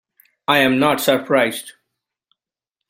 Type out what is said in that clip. I am not surprised.